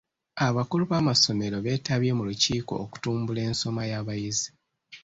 Abakulu b'amasomero beetabye mu lukiiko okutumbula ensoma y'abayizi.